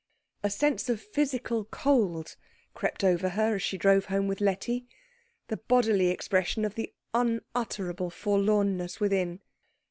A sense of physical cold crept over her as she drove home with Letty the bodily expression of the unutterable forlornness within.